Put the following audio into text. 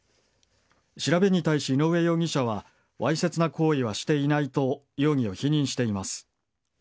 調べに対し、井上容疑者はわいせつな行為はしていないと容疑を否認しています。